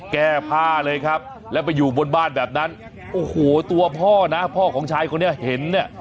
แก้ผ้าเลยครับแล้วไปอยู่บนบ้านแบบนั้นโอ้โหตัวพ่อนะพ่อของชายคนนี้เห็นเนี่ย